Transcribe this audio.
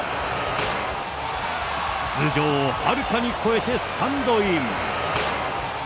頭上をはるかに越えてスタンドイン。